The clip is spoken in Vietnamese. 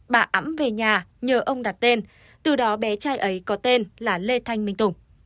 bà ắm về nhà nhờ ông đặt tên từ đó bé trai ấy có tên là lê thanh minh tùng